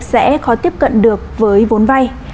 sẽ khó tiếp cận được với vốn vay